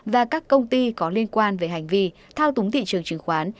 và các công ty có liên quan về hành vi thao túng thị trường chứng khoán